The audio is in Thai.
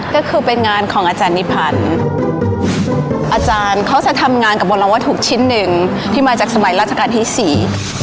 ก็คือเป็นงานของอาจารย์นิพันธ์อาจารย์เขาจะทำงานกับโบราณวัตถุชิ้นหนึ่งที่มาจากสมัยราชการที่สี่